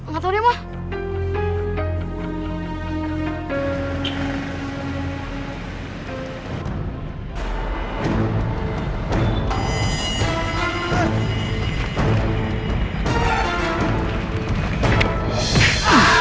gak tau deh ma